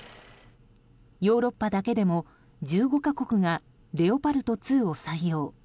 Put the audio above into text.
ヨーロッパだけでも１５か国がレオパルト２を採用。